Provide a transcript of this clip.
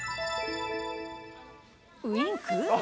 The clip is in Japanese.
ウインク？